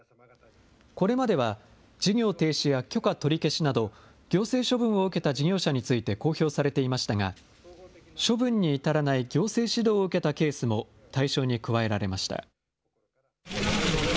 これまでは、事業停止や許可取り消しなど、行政処分を受けた事業者について公表されていましたが、処分に至らない行政指導を受けたケースも対象に加えられました。